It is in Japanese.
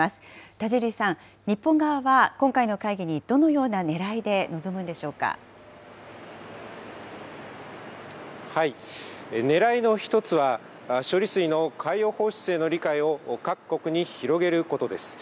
田尻さん、日本側は今回の会議に、どのようなねらいで臨むんでしょねらいの１つは、処理水の海洋放出への理解を各国に広げることです。